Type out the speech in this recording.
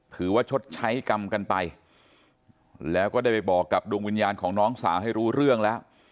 ชดใช้กรรมกันไปแล้วก็ได้ไปบอกกับดวงวิญญาณของน้องสาวให้รู้เรื่องแล้ว